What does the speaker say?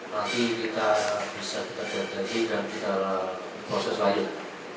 nanti kita bisa terjadi dan kita proses lain